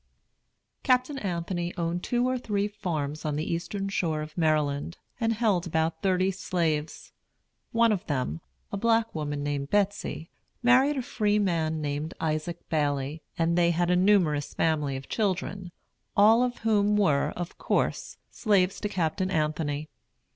Captain Anthony owned two or three farms on the eastern shore of Maryland, and held about thirty slaves. One of them, a black woman named Betsy, married a free black man named Isaac Baily; and they had a numerous family of children, all of whom were, of course, slaves to Captain Anthony.